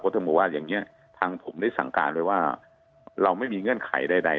ทางผมได้สั่งการเลยว่าเราไม่มีเงื่อนไขใด